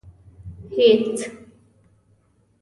هېڅ.